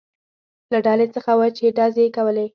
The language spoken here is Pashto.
له ډلې څخه و، چې ډزې یې کولې.